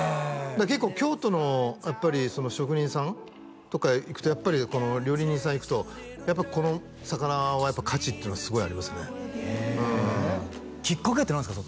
結構京都の職人さんとか行くとやっぱりこの料理人さん行くとやっぱこの魚は価値っていうのはすごいありますねきっかけってなんですか？